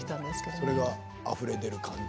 それがあふれ出る感情？